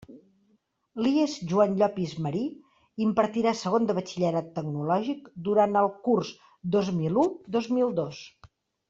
L'IES Joan Llopis Marí impartirà segon de Batxillerat Tecnològic durant el curs dos mil u dos mil dos.